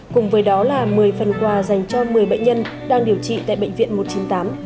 cùng với đó là một mươi phần quà dành cho một mươi bệnh nhân đang điều trị tại bệnh viện một trăm chín mươi tám